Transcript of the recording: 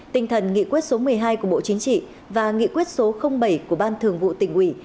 tinh thần nghị quyết số một mươi hai của bộ chính trị và nghị quyết số bảy của ban thường vụ tỉnh ủy